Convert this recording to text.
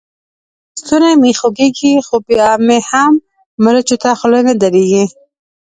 ستونی مې خوږېږي؛ خو بيا مې هم مرچو ته خوله نه درېږي.